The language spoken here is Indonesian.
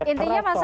intinya mas said